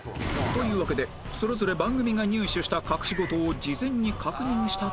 というわけでそれぞれ番組が入手した隠し事を事前に確認したところで